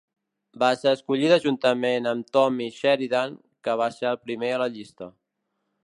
Va ser escollida juntament amb Tommy Sheridan, que va ser el primer a la llista.